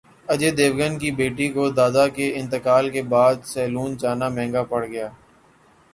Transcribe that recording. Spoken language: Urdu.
اجے دیوگن کی بیٹی کو دادا کے انتقال کے بعد سیلون جانا مہنگا پڑ گیا